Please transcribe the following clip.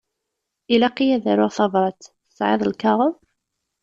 Ilaq-iyi ad aruɣ tabrat. Tesεiḍ lkaɣeḍ?